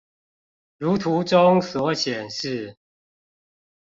如圖中所顯示